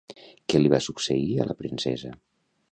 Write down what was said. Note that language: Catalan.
Què li va succeir a la princesa?